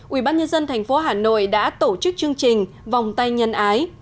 ubnd tp hà nội đã tổ chức chương trình vòng tay nhân ái